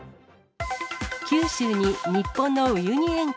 九州に日本のウユニ塩湖。